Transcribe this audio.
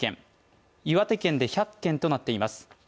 岩手県で１００件となっています。